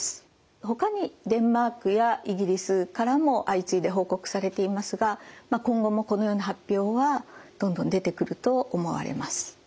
ほかにデンマークやイギリスからも相次いで報告されていますが今後もこのような発表はどんどん出てくると思われます。